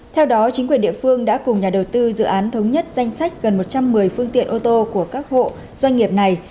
theo đó chính quyền địa phương đã cùng nhà đầu tư dự án thống nhất danh sách gần một trăm một mươi phương tiện ô tô của các hộ doanh nghiệp này